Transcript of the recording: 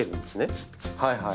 はいはい。